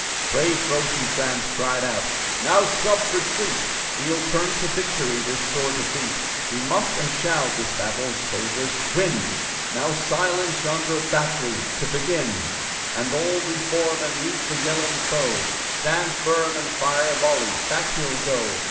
Brave Rosecrans cried out "Now stop retreat! We'll turn to victory this sore defeat! We must and shall this battle Soldiers! win! Now silence yonder batt'ry, to begin! And all re form and meet the yelling foe! Stand firm and fire a volley! Back he'll go.